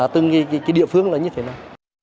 từng cái địa phương là như thế này